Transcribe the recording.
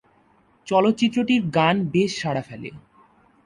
চলচ্চিত্রটির গান বেশ সাড়া ফেলে।